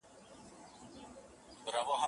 خدایه ته ګډ کړې دا د کاڼو زیارتونه